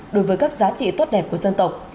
đối với các giá trị tốt đẹp của dân tộc